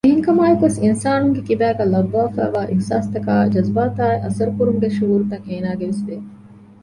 އެހެންކަމާއެކު ވެސް އިންސާނުންގެ ކިބައިގައި ލައްވައިފައިވާ އިޙުސާސްތަކާއި ޖަޒުބާތާއި އަސަރުކުރުމުގެ ޝުޢޫރުތައް އޭނާގެ ވެސް ވެ